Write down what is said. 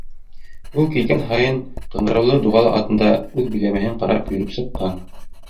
Ул килгән һайын ҡыңғыраулы дуғалы атында үҙ биләмәһен ҡарап йөрөп сыҡҡан.